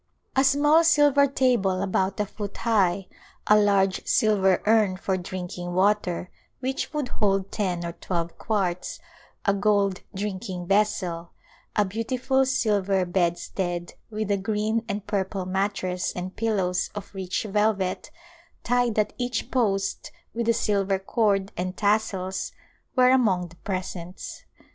A small silver table about a foot high, a large silver urn for drinking water which would hold ten or twelve quarts, a gold drinking vessel, a beautiful silver bedstead with a green and purple mattress and pillows of rich velvet, tied at each post with a silver cord and tassels, were among the presents.